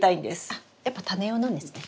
あやっぱタネ用なんですね。